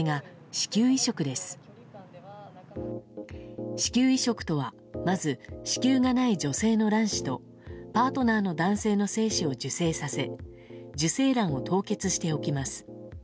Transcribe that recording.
子宮移植とはまず子宮がない女性の卵子とパートナーの男子の精子を受精させ受精卵を凍結しておきます。